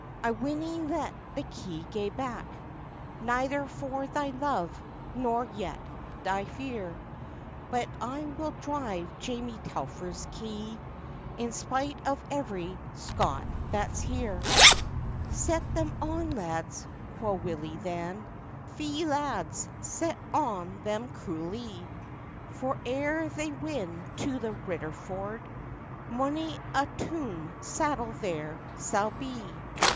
"I winna let the kye gae back, Neither for thy love, nor yet thy fear, But I will drive Jamie Telfer's kye, In spite of every Scot that's here." "Set on them, lads!" quo' Willie than, "Fye, lads, set on them cruellie! For ere they win to the Ritterford, Mony a toom saddle there sall be!"